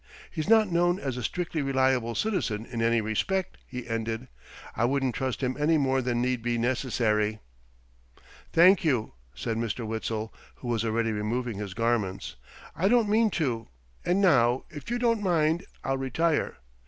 "He's not known as a strictly reliable citizen in any respect," he ended. "I wouldn't trust him any more than need be necessary." "Thank you," said Mr. Witzel, who was already removing his garments. "I don't mean to. And now, if you don't mind, I'll retire.